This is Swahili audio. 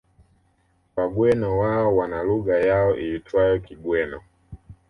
Wagweno wao wana lugha yao iitwayo Kigweno